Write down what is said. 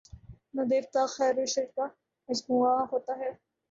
نہ دیوتا، خیر وشرکا مجموعہ ہوتا ہے۔